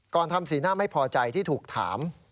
ทำสีหน้าไม่พอใจที่ถูกถาม